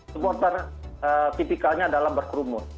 supporter tipikalnya adalah berkerumun